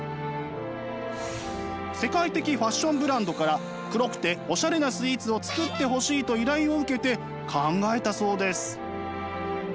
世界的ファッションブランドから黒くてオシャレなスイーツを作ってほしいと依頼を受けて考えたそうです。